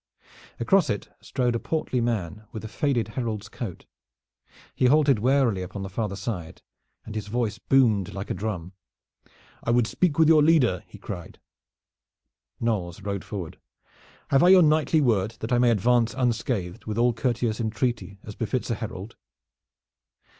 Across it strode a portly man with a faded herald's coat. He halted warily upon the farther side and his voice boomed like a drum. "I would speak with your leader." he cried. Knolles rode forward. "Have I your knightly word that I may advance unscathed with all courteous entreaty as befits a herald?"